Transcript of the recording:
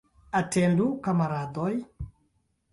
Atendu, kamaradoj!